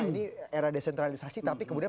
ini era desentralisasi tapi kemudian